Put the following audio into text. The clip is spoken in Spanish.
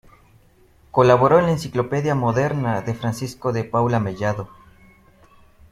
Colaboró en la "Enciclopedia moderna" de Francisco de Paula Mellado.